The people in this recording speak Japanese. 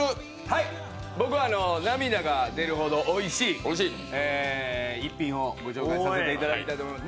僕は涙が出るほどおいしい逸品をご紹介させていただきたいと思います。